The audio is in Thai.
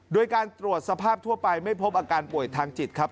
โดยการตรวจสภาพทั่วไปไม่พบอาการป่วยทางจิตครับ